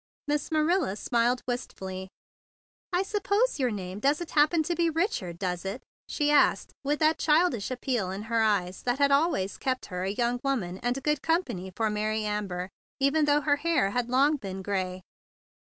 Miss Marilla smiled wistfully. "I suppose your name doesn't hap¬ pen to be Richard, does it?" she asked with that childish appeal in her eyes that had always kept her a young woman and good company for Mary Amber, even though her hair had long been gray.